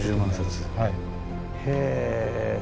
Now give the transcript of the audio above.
へえ。